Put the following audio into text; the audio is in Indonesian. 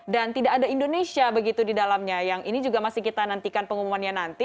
dan tidak ada indonesia begitu di dalamnya yang ini juga masih kita nantikan pengumumannya nanti